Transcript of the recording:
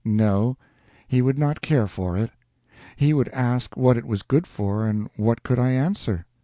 No he would not care for it. He would ask what it was good for, and what could I answer?